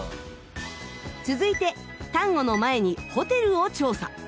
続いてタンゴの前にホテルを調査。